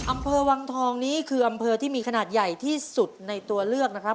อำเภอวังทองนี้คืออำเภอที่มีขนาดใหญ่ที่สุดในตัวเลือกนะครับ